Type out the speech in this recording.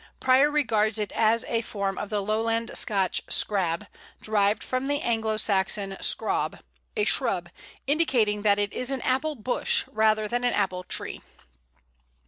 Prior regards it as a form of the Lowland Scotch scrab, derived from Anglo Saxon scrobb, a shrub, indicating that it is an Apple bush rather than an Apple tree.